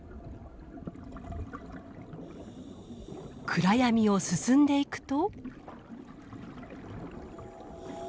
暗闇を進んでいくと。